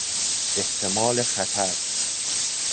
احتمال خطر